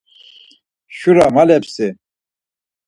Şura malepsi?